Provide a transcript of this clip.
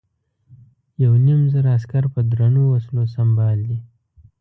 یو نیم زره عسکر په درنو وسلو سمبال دي.